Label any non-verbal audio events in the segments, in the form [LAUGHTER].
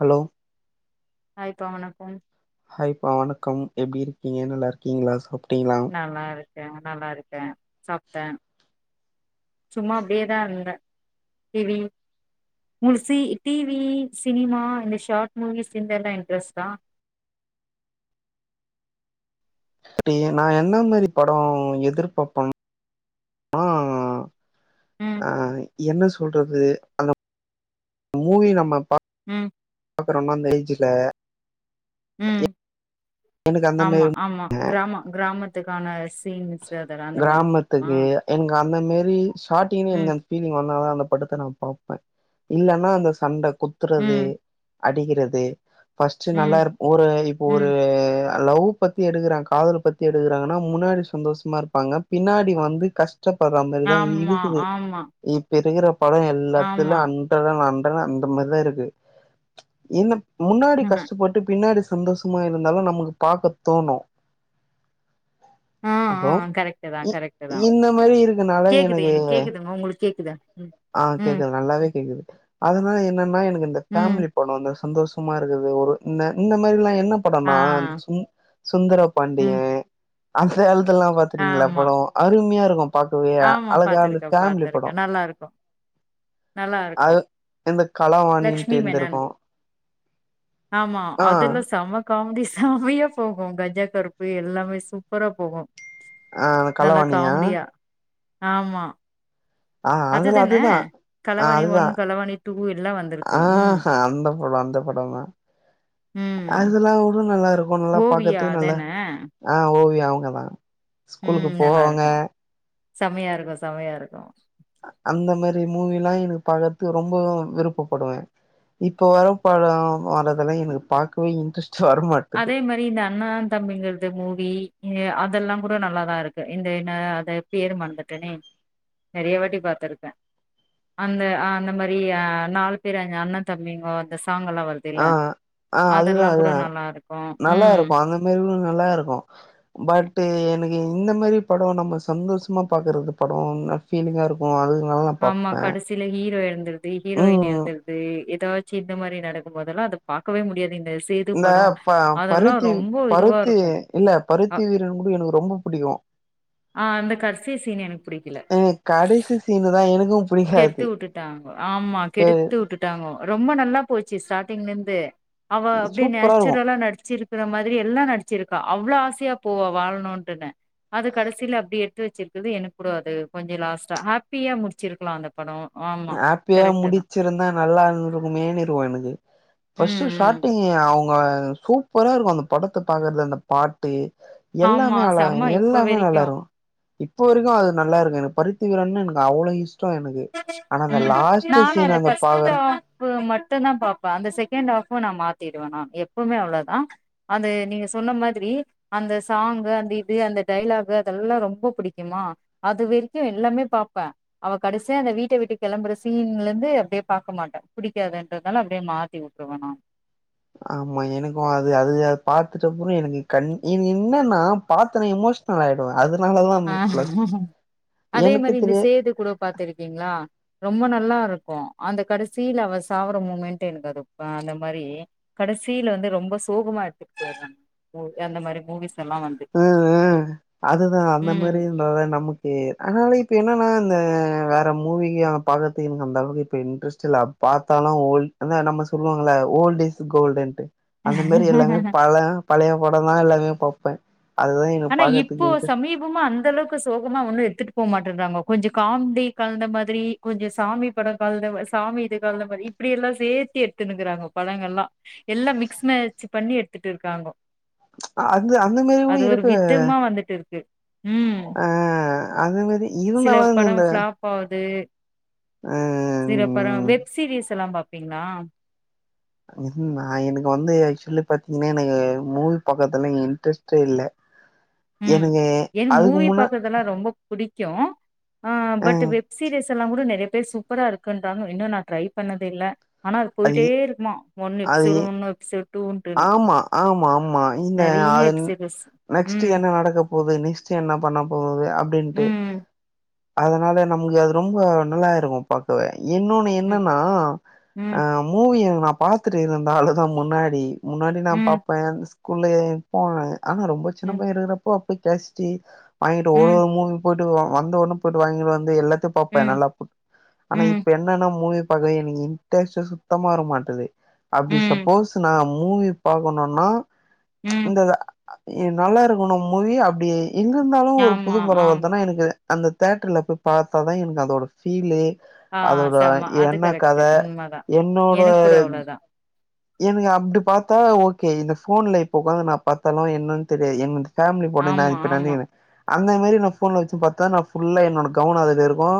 Hello ஹாய்பா வணக்கம் ஹாய்பா வணக்கம் எப்டி இருக்கீங்களா நல்லா இருக்கீங்களா சாப்ட்டீங்களா நல்லா இருக்கேன் நல்லா இருக்கேன் சாப்டேன் சும்மா அப்டியே தான் இருந்தே டி வி முழுசி டி வி சினிமா இந்த ஷார்ட் மூவிஸ் இத எல்லாம் இன்ட்ரெஸ்ட் ஆ அப்டி நா என்ன மாரி படோ எதிர்பாப்பேன்னா ம் அ என்ன சொல்றது அந்த மூவி நம்ம பா ம் அப்பறோ இன்னொ அந்த ஏஜ்ல உம் எனக்கு அந்த ஆமா மாரி ஆமா கிராம கிராமத்துக்கான சீன்ஸ் அதெல்லா அந்த மாரி புடிக்குமா கிராமத்துக்கு எனக்கு அந்த மாரி ஷாட்டிங்ல ம் எனக்கு அந்த பீலிங் வந்தா தா அந்த படத்த நா பாப்பேன் இல்லன்னா அந்த சண்ட குத்துறது ம் அடிக்கிறது ஃபர்ஸ்ட் நல்லா ம் இரு ஒரு இப்ப ம் ஒரு லவ் பத்தி எடுக்கறங்க காதல் பத்தி எடுக்கறாங்கன்னா முன்னாடி சந்தோஷமா இருப்பாங்க பின்னாடி வந்து கஷ் கஷ்டப்படுற மாரிதா ஆமா இருக்குது ஆமா இப்ப இருக்கற படோ ஆமா எல்லாத்துலும் அன் அந்தனா அந்த மாரி தா இருக்கு இந்த முன்னாடி கஷ்டப்பட்டு பின்னாடி சந்தோஷமா இருந்தாலும் நமக்கு பாக்க தோணும் ஆ ஆ ஹலோ கரெக்டு தா இ கரெக்ட் தா இந்த மாரி இருக்கனால கேக்குது எனக்கு கேக்குதுங்க உங்களுக்கு கேக்குதா ஆ ம் கேக்குது நல்லாவே கேக்குது அதனால என்னன்னா எனக்கு இந்த ம் ஃபேமிலி படோ வந்தா சந்தோசமா இருக்குது ஒரு இந்த இந்த மாரிலாம் என்ன ஆ படோனா சுந் சுந்தர ம் பாண்டியன் அந்த காலத்துல்லாம் பாத்துக்கீங்களா ஆமா படோ அருமையா இருக்கும் பாக்கவே அழகா அந்த ஃபேமிலி படோ நல்லா இருக்கும் அது இந்த லக்ஷ்மி களவாணின்ட்டு மேனன் இருந்திருக்கும் ஆமா அதெல்லா செம காமெடி செமயா போகு கஞ்ஜா கருப்பு எல்லாமே சூப்பரா போகு ஆ அந்த நல்லா களவாணியா காமெடியா ஆமா ஆ அதுல அதுதான அதுதா ஆ களவாணி அதுதா ஒன் களவாணி டூ எல்லா வந்திருக்கு ஆ ம் அந்த படோ அந்த படந்தா ம் அதெல்லா கூட நல்லா இருக்கு நல்லா ஓவியா பாக்கறத்துக்கு நல்லா அதான ஆ ஓவியா அவங்க தா ஸ்கூலுக்கு ம் போவாங்க நல்லாருக்கு செமையா இருக்கு செமையா இருக்கு அந்த மாரி மூவி எல்லா எனக்கு பாக்கறதத்துக்கு ரொம்பவு விருப்பப்படுவே இப்போ வர்ற படோ வர்றதெல்லா எனக்கு பாக்கவே இன்ட்ரெஸ்ட் வரமாட் அதே மாரி இந்த அண்ணா தம்பிங்கள்து மூவி அதெல்லா கூட நல்லாதா இருக்கு இந்த என்ன அத பேரு மறந்துட்டனே நெறையா வாட்டி பாத்துருக்கே அந்த ஆ அந்த மாரி ஆ நாலு பேர் அ அண்ணன் தம்பிங்க அந்த சாங்க் எல்லா வரு இல்ல ஆ ஆ அதெல்லா அதுதான் கூட அதுதான் நல்லா இருக்கு நல்லா இருக்கு அந்த மாரி கூட நல்லா இருக்கு பட்டு் எனக்கு இந்த மாரி படோ நம்ம சந்தோஷமா பாக்கறதுக்கு படோன்ன பீலிங்கா இருக்கு அதுக்கு நல்லா ஆமா கடைசில ஹீரோ இறந்துர்றது ஹீரோயின் ம் இறந்துர்ற து ஏதாச்சு இந்த மாரி நடக்கும் போதெல்லா அத பாக்கவே முடியாது இந்த சேது இந்த படோ ப அதெல்லா பருத்தி ரொம்ப இதுவா பருத்தி இருக்கு இல்ல அ பருத்தி வீரன் கூட எனக்கு ரொம்ப பிடிக்கு ஆ அந்த கடசி சீன் எனக்கு புடிக்கல ஏங்க கடைசி சீனு தா எனக்கும் கெடுத்து உட்டுட்டாங்க ஆமா கெடுத்து உட்டுட்டாங்க ரொம்ப நல்லா போச்சு ஸ்டார்ட்டிங்ல இருந்து அவ அப்டியே சூப்பரா இருக்கு நேச்சுரலா நடிச்சிரு க்கிற மாதிரி எல்லா நடிச்சிருக்கா அவ்வளவு ஆசையா போவா வாழனுன்ட்டுனு அது கடைசில அப்டி எடுத்து வச்சிருக்குது எனக்கு கூட அது கொஞ்சோ லாஸ்டா ஹாப்பியா முடிச்சிருக்கலா அந்த படோ ஆ ஹாப்பியா முடிச்சிருந்தா நல்லா இருந்துருக்குமேன்னு இருக்கு எனக்கு ஃபர்ஸ்ட் ம் ம் ஸ்டார்ட்டிங் அவங்க சூப்பரா இருக்கு அந்த படத்தை பாக்கறது அந்த பாட் டு ஆமா எல்லாமே அழகா செம்ம இப்ப எல்லாமே நல்லா வரைக்கு இருக்கு இப்ப வரைக்கு அது நல்லா இருக்கு எனக்கு பருத்தி விரன்னா எனக்கு அவ்ளோ இஷ்டோ எனக்கு ஆனா அந்த ம் லாஸ்ட் நானு சீன் அந்த அங்க ஃபர்ஸ்ட் பாக்கற ஹாஃப் மட்டுந்தா பாப்பே அந்த செகண்ட் ஹாஃப் நா மாத்திடுவே நானு எப்பவுமே அவ்வளவுதா அந்த நீங்க சொன்ன மாதிரி அந்த சாங்கு அந்த இது அந்த டைலாக் அதெல்லா ரொம்ப பிடிக்குமா அது வரைக்கு எல்லாமே பாப்பே அவ கடைசியா அந்த வீட்ட வீட்டு கெளம்புற சீன்ல இருந்து அப்டியே பாக்க மாட்டே பிடிக்காதுன்றதுனால அப்டியே மாத்தி விட்டுருவே நானு ஆமா எனக்கு அது அழுகையா பாத்துட்டப்புறோ எனக்கு கண் என் என்னான்னா பாத்த ஒன்னே எமோஸ் னல் ஆயிடுவே அதனாலதா பிளஸ் ஆ எனக்கு தெரிய பாத்துருக்கீங்களா ரொம்ப நல்லா இருக்கு அந்த கடைசில அவ சாவுர மூமெண்டட் எனக்கு அது அந்த மாரி கடைசில வந்து ரொம்ப சோகமா எடுத்துட்டு போய்றாங்க மூ அந்த மாரி மூவிஸ் எல்லா வந்து அதுதா அந்த மாரி ம் தோழர் நமக்கு அதனால இப்ப என்னன்னா இந்த வேற மூவிகான பாக்றதுக்கு அந்த அளவுக்கு இப்ப இன்ட்ரெஸ்ட் சிலர் பாத்தானா ஓல்டு அந்த நம்ம சொல்லுவாங்களா ஓல்டிஸ் கோல்டுன்ட்டு அந்த மாதிரி எல்லாமே பழைய பழைய படோந்தா எல்லாமே பாப்பே ஆனா இப்போ சமீ பமா அந்த அளவுக்கு சோகமா ஒன்னோ எடுத்துட்டு போக மாட்டேன்றாங்கோ கொஞ்சோ காம்டி கலந்த மாதிரி கொஞ்சோ சாமி படோ கலந்த சாமி இது கலந்த மாதிரி இப்டியெல்லா சேத்தி எடுத்துன்னுக்கிறாங்க படங்கள்லா எல்லா மிக்ஸ் மேச்சு பண்ணி எடுத்துட்டு இருக்காங்கோ அந்த அந்த மேரி கூட இருக்கே இன்னோ வந்துட்டு இருக்கு ம் அந்த மாரி சில இருந்தாலும் படம் ஃப்லாப் போது ஆ சில படோ வெப் சீரீஸ்லா பாப்பீங்களா நா எனக்கு வந்து ஆக்சுவலி பாத்தீங்கன்னா எனக்கு மூவி பாக்கறதுல இன்ட்ரெஸ்ட்டே இல்ல ம் எனக்கு எனக்கு அதுக்கு மூவி முன்ன பாக்குறதெல்லா ரொம்ப பிடிக்கோ ஆ அ பட் வெப் சீரிஸ் எல்லா கூட நறைய பேர் சூப்பரா இருக்குன்றாங்க இன்னோ நா ட்ரை பண்ணதே இல்ல ஆனா அது போயிட்டே இருக்குமா ஒன்னு அது எபிசோடு ஒன்னு எபிசோடு டூன்ட்டுன்னு ஆமா ஆமா ஆமா இந்த அ நெறைய இன் எபிசோட்ஸ் நெக்ஸ்ட்டு ம் என்ன நடக்க போது நெக்ஸ்டு என்ன பண்ண போது அப்டீன்ட்டு ம் அதனால நமக்கு அது ரொம்போ நல்லாருக்கோ பாக்கவே இன்னோனு ம் என்னன்னா ஆ ம் மூவிய நா பாத்துட்டு இருந்தாலு தா முன்னாடி முன்னாடி நா ம் பாப்பே இந்த குள்ளயே போன ஆனா ரொம்போ சின்ன ம் பயனா இருக்கிறப்போ அப்ப கேஸ்ட்டி வாங்கிட்டு ஒரு ம் ஒரு மூ போட்டுக்குவோ வந்தவொன்னே போயிட்டு வாங்கிட்டு வந்து எல்லாத்தையு பாப்பே ம் நல்லா ஆனா ம் இப்ப என்னன்னா மூவி பது எனக்கு இன்ட்ரெஸ்ட் சுத்தமா வர மாட்டுது அப்டி ம் சப்போஸ் நா மூவி பாக்கணோன்னா உம் இ நல்லா இருக்கணோ மூவி அப்டி எங்க இருந்தாலு ஒரு புது ஆமா படோ ஆமா வர்துனா எனக்கு அந்த தேட்டர்ல போய் பாத்தாதா எனக்கு அதோட ஃபீலு ஆ அதோட செம அது என்ன கரெக்ட்டு கதை உண்மதா என்னோட எனக்கு கூட அவ்ளோதா எனக்கு அப்டி பாத்தா ஓகே இந்த ஃபோன்ல இப்ப ஒக்காந்து நா பாத்தாலு என்னன்னு தெரியாது என்னன்னு ஃபேமிலி ஃபோட்டாதா நா ஆமா இப்ப ஆமா நெனச்சிக்குன அந்த மாதிரி நா ஃபோன்ல வெச்சு பாத்தா நா ஃபுல்லா என்னோட கவனோ அதல இருக்கோ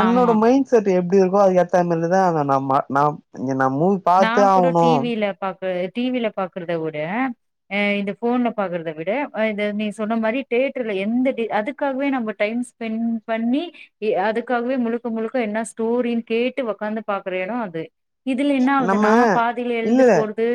என்னோட ஆமா மைண்ட் செட் எப்டி இருக்கோ அது ஏத்த மாதிரி நம்ம நா இங்க நா மூவி பாத்தே ஆவனோ டி வில பாக்குற டி வில பாக்குறத வுட அ இந்த ஃபோன்ல பாக்குறத விட அ இந்த நீ சொன்ன மாரி தேட்டர்ல எந்த டே அதுக்காகவே நம்ப டைம்ஸ். பென்ட் பண்ணி எ அதுக்காகவே முழுக்க முழுக்க என்ன ஸ்டோரின் கேட்டு ஒக்காந்து பாக்குற எடோ அது இதுல என்ன நம்ம ஆவுதுன்னா பாதில இல்ல எழுந்து போறது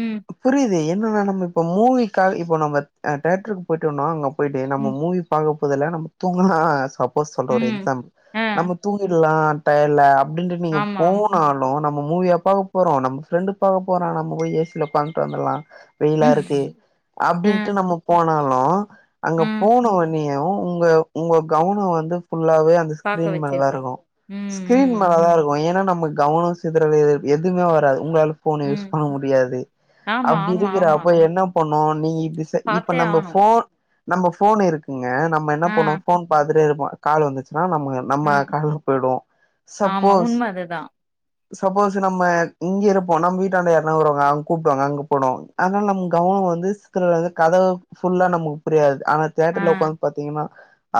உம் புரியுது என்னன்னா நம்ம இப்ப மூவிக்காக இப்ப நம்ம அ தேட்டருக்கு போயிட்டோனோ, அங்க போயிட்டு நம்மோ ம் மூவி பாக்க போதுல நம்ம தூங்கலா சப்போஸ் சொல்ற ஒரு ம் எக்ஸாம்ப் ஆ நம்ம தூங்கிட்லா, டயர்ட்ல அப்டின்ட்டு நீங்க ஆமா ஆமா போனாலு நம்ம மூவியா பாக்க போறோ நம்மோ ஃப்ரெண்டு் பாக்க போறா நம்ம போய் ஏ சில ஒக்காந்ட்டு வந்துலா. வெயிலா ம் இருக்கு ஆ அப்டின்ட்டு நம்ம போனாலு அங்க ம் போனவொன்னியோ உங்க உங்க கவனோ வந்து ஃபுல்லாவே அந்த பாக்க ஸ்கிரீன் மேல தா வச்சிருது இருக்கோ ம் ஸ்கிரீன் ம் மேல தா இருக்கோ ஏன்னா நம கவனோ இருக்குரது எதுமே வராது உங்களால போன ம் யூஸ் பண்ண முடியாது ஆமா அப்படி ஆமா ஆமா இருக்கிறப்ப என்ன போண்ணு நீ இது இப்ப பாத்தே நம்ம ஆவணு போ நம்ம போன் இருக்குங்க நம்ம என்ன ஆ பண்ணுவோ போன் பாத்துட்டே இருப்போ கால் வந்துச்சுன்னா நம்ம நம்ம ஆ கலம்பிட்டு போய்டவோ ஆமா சப்போஸ் உண்ம அதுதா சப்போஸ் நம்ம இங்க இருப்போ நம்ம வீட்டாண்ட யாரன வருவாங்க அங்க கூப்பிட்டுவாங்க அங்க போயிடுவோ அதனால நம்ம கவனம் வந்து சித்திர வந்து கதை ஃபுல்லா நமக்கு புரியாது ஆனா ஆ தேட்டர்ல உட்காந்து பாத்தீங்கன்னா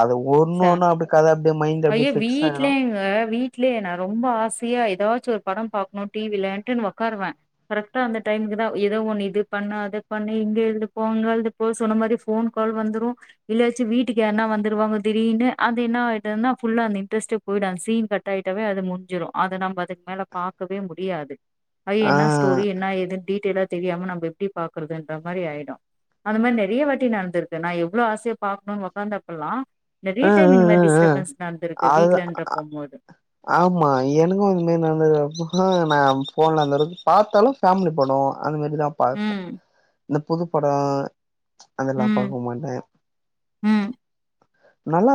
அது ஒன்னு ச ஒன்னு அப்படி கதை அப்படியே மைண்ட் அப்படி பிக்ஸ் ஆகிடு ங்க வீட்டு இ்துலயே நா ரொம்ப ஆசையா ஏதாச்சு ஒரு படம் பாக்கணு டி வி லன்ட்டு நா உக்க்காருவே கரெக்டா அந்த டைமுக்கு தா ஏதோ ஒண்ணு இது பண்ணு அத பண்ணு இங்கெழுந்துப்போ அங்க எழுந் சொன்ன மாரி போன் கால் வந்துரு இல்லையாச்சு வீட்டுக்கு யாருனா வந்துருவாங்க திரின்னு அது என்ன ஆயிடுனா ஃபுல்லா அந்த இன்ட்ரெஸ்ட்டே போய்ட அந்த சீன் கட்டாகிட்டாவே அது முஞ்சுரு அது நம்ம அதுக்கு மேல பாக்கவே முடியாது அது ஆ என்ன ஸ்டோரி என்ன ஏதுன்ன டீடெயலா தெரியாம நம்ம எப்படி பாக்குறதுன்ற மாதிரி ஆயிடு அந்த மாரி நெறையா வாட்டி நடந்திருக்கு நா எவ்வளோ ஆசையா பாக்கனுனு உக்காந்தப்போல்லா நெறையா டைம் இந்த மாரி டிஸ்ட்டபன்ஸ் நடந்திருக்கு அதுத வீட்லன்ற ஆ போம்போது ஆமா எனக்க இந்த மாரி நடந்திருக்கு ஃபுல்லு நா போன்ல அந்தளவுக்கு பாத்தாலு ஃபேமிலி பாடோ அது மாரிதா பா ம் இந்த புதுப்படோ அதெல்லா பாக்க மாட்டே ஆ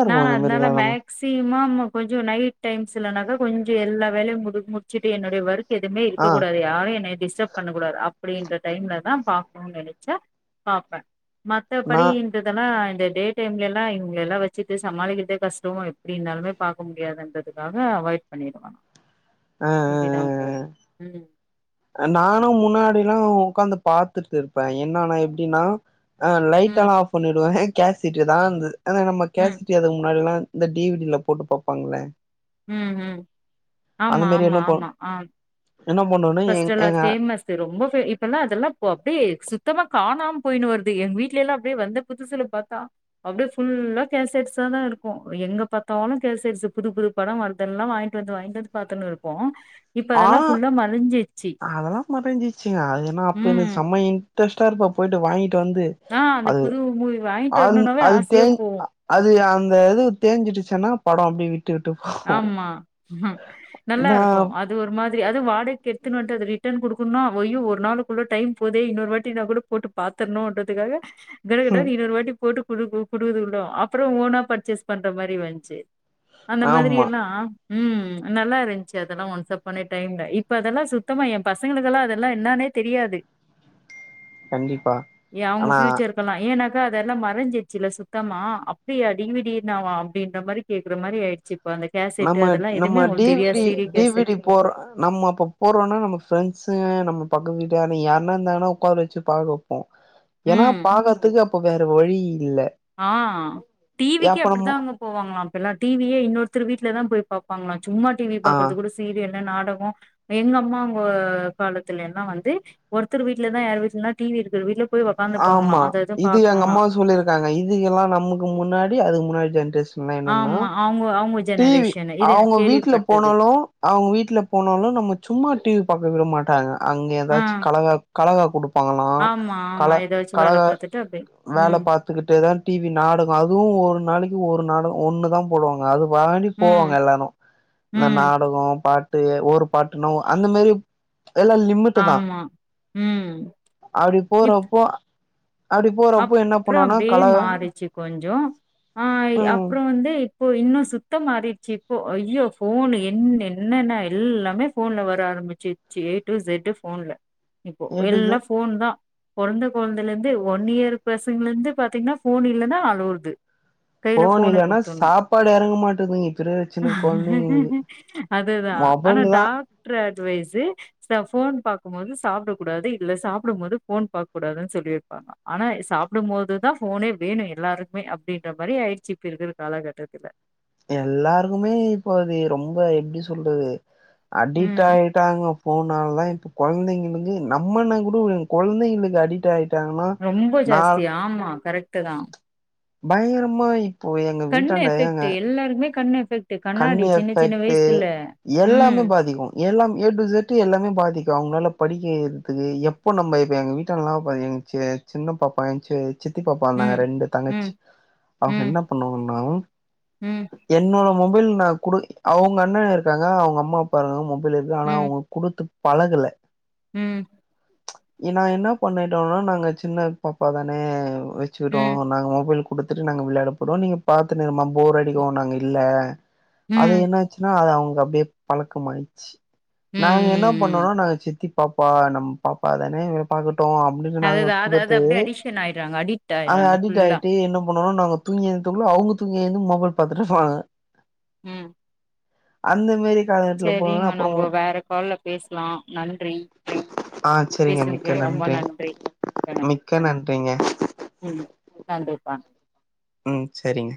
நா அதனால மாரிலாம் மே நம்ம மேக்சிமம் கொஞ்சு நைட் டைம்ஸ்லனாக்க கொஞ்சு எல்லா வேலையு மு முடிச்சிட்டு என்னுடைய வர்க் க் எதுமே இருக்க ஆ கூடாது யாரு என்னைய டிஸ்டர்பப் பண்ண கூடாது அப்படின்ற டைம்ல தா பாக்கணுனு நெனப்ப பாப்பே நான் மத்தபடின்றதெல்லா இந்த டே டைம்ல எல்லா இங்கெல்லா வெச்சி வச்சிட்டு சமாளிக்கதே கஷ்டோ எப்படி இருந்தாலுமே பாக்க முடியாதுன்றதுக்காக அவாய்ட் பண்ணிருவ [INAUDIBLE] ஆ ஆ அப்படி தா போகும் ம் நானு முன்னாடி எல்லா உக்காந்து பாத்துட்டு இருப்பே என்னன்னா எப்படின்னா அ லைட் ம் எல்லா ஆஃப் பண்ணிடுவே கேஸட்டு தா ஆனா நம்ம ம் கேசட்ட அதுக்கு முன்னாடி எல்லா இந்த டி வி டி யில போட்டு பாப்பாங்களே ம் ம் ஆமா ஆமா பண் ஆமா அ என்ன பண்ணுன்னா ஃபஸ்ட் லாம் பேமஸ் ரொம்ப பே இப்பல்லா அதெல்லா அப்படியே சுத்தமா காணாம போயின்னு வருது எங்க வீட்ல எல்லா அப்படியே வந்து புதுசுல பத்தா அப்படியே ஃபுல்லா கேசட்ஸா தா இருக்கு எங்க பாத்தாலு கேசட்ஸ் புது புது படோ வருதெல்லா வாங்கிட்டு வந்து பாத்துனு இருப்போ ஆ அதெல்லா ஃபுல்லா ம அதெல்லா முடிஞ்சிச்சுங்க அது ஏன்னா அப்பன்னு ம் சமைய இன்ரெஸ்டா இருப்ப போயிட்டு வாங்கிட்டு வந்து அ அந்த அது புது மூவி வாங்கிட்டு அந் வரணும்னாவே அது ஆசையா தேஞ் போவோ அது அந்த இது தேஞ்சிடுச்சுன்னா படோ அப்படியே விட்டு யூடியூப் ஆமா நல்லா இருக்கு அ அது ஒரு மாதிரி அது வாடகைக்கு எடுத்துன்ட்டு அது ரிட்டர்ன் கொடுக்கணு அய்யோ ஒரு நாளுக்குக்குள்ள டைம் போதே இன்னொரு வாட்டி நா கூட போட்டு பாத்துர்ணுன்றதுக்காக ம் கடகடானு இன்னொரு வாட்டி போட்டு கொடு கொடுக்குதுக்குலு அப்புற ஓவ்வனா பர்ச்சேஸ் பண்ற மாரி வந்ச்சு அந்த மாதிரி ஆமா அ ம் நல்லா இருந்துச்சு அதெல்லா ஒன்ஸ் அப்பான்ன டைம்ல இப்ப அதெல்லா சுத்தமா எ பசங்களுக்கெல்லா அதெல்லா என்னானே தெரியாது கண்டிப்பா அவுங்க ஆனா ஃபியூச்சரு க்குலா ஏன்னாக்கா அதெல்லா மறைஞ்சிச்சுல்ல சுத்தமா அப்டியாடிக்கிதுடி அப்டின்ற மாரி கேக்குற மாரி ஆயிட்ச்சு கொழந்த நம்ம நம்ம டிவிடி டிவிடி கேசெட் போற நம்ம அப்போ போறோனா நம்ம ஃப்ரெண்ட்ஸுங்க நம்ம பக்க வீட்டுகாரங்க யார்னா இருந்தாங்கனா உட்கார வச்சு பாக்க ஏன்னா ம் பாக்கதுக்கு அப்ப வேற வழி இல்ல ஆ டிவிக்கே அப்ப நம்ம அப்டித்தாங்க போவாங்கலா அப்ப எல்லா டிவியே இன்னொருத்தர் வீட்லதா போய் பாப்பாங்கலா சும்மா டிவி ஆ பாக்கறது கூட சீரியல்னு நாடகோ எங்க அம்மா உங்க காலத்துலல்லா வந்து ஒருத்தர் வீட்லதா யார் வீட்லனா டிவி இருக்கிற வீட்ல போய் உட்காந்துப்பாங்களா அத எது பாக்கணுனா காங்க இதுக்கு எல்லா நமக்கு முன்னாடி அதுக்கு முன்னாடி ஜென்ரேஷன் ஆமா அவுங்க அவுங்க ஜெனரேஷன் அவுங்க வீட்ல போனாலு அவுங்க வீட்ல போனாலு நம்ம சும்மா டிவி பாக்க விட மாட்டாங்க அங்க ஆ எதாச்சு கலகா கலகா குடுப் ஆமா ஆமா எதாச்சு வேல பாத்துட்டு அப்டியே ம் துக்கிட்டே தா டிவி நாடகோ அதுவு ஒரு நாளைக்கு ஒரு நாடக ஒன்னுதா போடுவாங்க அதுவு வாடி போவாங்க ம் எல்லாரு இந்த ம் நாடகோ பாட்டு ஒரு பாட்டுன்னா அந்த மாரி எல்லா லிமிட்டுதா ஆமா ம் அப்டி போறப்போ அப்டி போறப்போ என்ன அப்புற பண்ணுவோனா அப்டியே கலக மாறிச்சு கொஞ்சோ ஆ ம் அப்புற வந்து இப்போ இன்னு சுத்தம் மாறிச்சு இப்போ ஐயோ ஃபோன் என்ன என்னன்ன எல்லாமே ஃபோன்ல வர ஆரம்பிச் சு ஏ டு ஜெட் ஃபோன்ல இப்போ ஏ டு இசட் எல்லா ஃபோன் தா பொறந்த கொழந்தலருந்து ஒன் இயர் பசங்கலந்து பாத்தீங்கன்னா ஃபோன் இல்லனா அழுவுது கையில ஃபோன் ஃபோன இல்லன்னா குடுத்துறனு சாப்பாடு எறங்க மாட்டேதுங்க இப்ப இருக்க சின்ன கொழந்தைங்களுக்கு அதுதா ஆனா மொபைல் தா டாக்டர் அட்வைஸு ச போன் பாக்கும் போது சாப்ட கூடாது இல்ல சாப்டும் போது ஃபோன் பாக்க கூடாதுன்னு சொல்லிர்க் ஆனா சாப்பிடும் போதுதா ஃபோனே வேணு எல்லாருக்குமே அப்படின்ற மாரி ஆயிற்சி இப்ப இருக்குற காலகட்டத்துல எல்லாருக்குமே இப்போ அது ரொம்ப எப்டி சொல்றது அடிக்ட் ம். ஆய்ட் ட்டாங்க ஃபோனால தா இப்ப குழந்தைங்களுக்கு நம்மனா கூட விடு குழந்தைங்களுக்கு அடிக்ட் ஆய்ட்டு ரொம்ப ஜாஸ்தி ஆமா கரெக்ட்டு தா பயங்கரமா இப்போ எங்க கண் வீட்டாண்ட ஏங்க எஃபெக்ட் எல்லாருக்குமே கண் எஃபெக்ட்டு கண் எஃபெக்ட்டு ம். எல்லாமே பாதிக்கு எல்லாம் ஏ டு ஜெட் எல்லாமே பாதிக்கு அவுங்களால படிக்கறதுக்கு எப்போ நம்ப இப்போ எங்க வீட்டான்டல்லா பாத்தீங்க செ சின்ன பாப்பா என்ச்சு சித்தி பாப்பா வந்தாங்க ம். ரெண்டு ம். தங்கச்சி அவுங்க ம். என்ன பண்ணுவாங்கன்னா ம். என்ன மொபைல்னா குடு அவுங்க அண்ணே இருக்காங்க அவுங்க அம்மா அப்பா இருக்காங்க மொபைல் இருக்கு ஆனா ம். ம். அவங்க குடுத்து பழகல ம் நான் என்ன பண்ணிட்டோ நாங்க சின்ன பாப்பா தான ம். வச்சுக்கட்டு நாங்க மொபைல் குடுத்துட்டு நாங்க விளையாட போறோ நீங்க பாத்துன்ருமா போர் அடிக்கு நாங்க இல்ல அது ம். என்ன ஆச்சுன்னா அது அவங்க அப்டியே பழக்கமாய்ச்சு நாங்க என்ன ம். பண்ணோனா நாங்க சித்தி பாப்பா நம்ம பாப்பா தான பாக்கட்டு அப்டின்னு நாங்க அதுதான். அது அது குடுத்து அப்டியே அடிக்ஷன் ஆயிடுறாங்க. அடிக்ட் அது ஆயிடுறாங்க அடிக்ட் ஃபுல்லா. ஆய்ட்டு என்ன போனோ நாங்க தூங்கி எந்டோம்ல அவங்க தூங்கி எந்து மொபைல் பாத்துட்டு போறாங்க ம் அந்த மாரி கால சரிங்க நம்ம வேற கால்ல பேசலா நன்றி ஆ சரிங்க மிக்க பேசுனதுக்கு ரொம்ப நன்றி மிக்க நன்றி மிக்க நன்றிங்க ம் நன்றிப்பா ம் செரிங்க